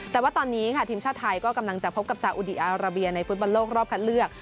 แต่ว่าตอนนี้ค่ะทีมชาติไทยก็กำลังจะพบกับซาอุดีอาราเบียในฟุตบอลโลกรอบคัดเลือก